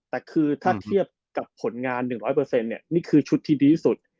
แต่คือถ้าเทียบกับผลงาน๑๐๐นี่คือชุดที่ดีที่สุด